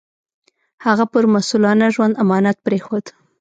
هغه پر مسوولانه ژوند امانت پرېښود.